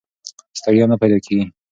ستړیا نه پیدا کېږي.